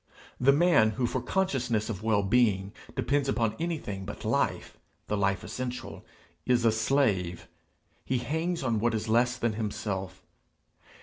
The man who for consciousness of well being depends upon anything but life, the life essential, is a slave; he hangs on what is less than himself.